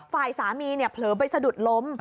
ฝ่ายสามีเผลอไปสะดุดล้ม